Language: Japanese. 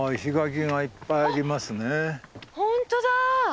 本当だ。